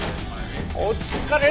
お疲れ